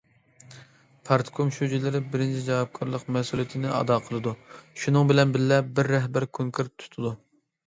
پارتكوم شۇجىلىرى بىرىنچى جاۋابكارلىق مەسئۇلىيىتىنى ئادا قىلىدۇ، شۇنىڭ بىلەن بىللە، بىر رەھبەر كونكرېت تۇتىدۇ.